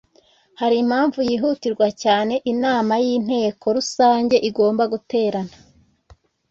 hari impamvu yihutirwa cyane inama y’inteko rusange igomba guterana